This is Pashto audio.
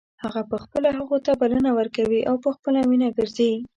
هغه په خپله هغو ته بلنه ورکوي او په خپله مینه ګرځي.